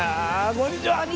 こんにちは。